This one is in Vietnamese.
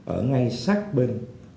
ở ngay sát bên